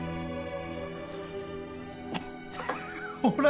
ほら